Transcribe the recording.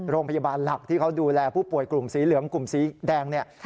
โรงพยาบาลหลักที่เขาดูแลผู้ป่วยกลุ่มสีเหลืองกลุ่มสีแดงเนี่ย